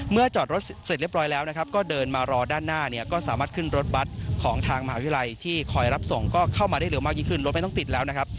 จอดรถเสร็จเรียบร้อยแล้วนะครับก็เดินมารอด้านหน้าเนี่ยก็สามารถขึ้นรถบัตรของทางมหาวิทยาลัยที่คอยรับส่งก็เข้ามาได้เร็วมากยิ่งขึ้นรถไม่ต้องติดแล้วนะครับ